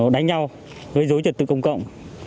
đánh nhau gây dối trật tự công cộng